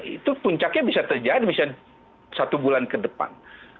itu puncaknya bisa terjadi bisa satu bulan ke depan